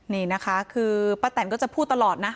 นี่นะคะคือป้าแตนก็จะพูดตลอดนะ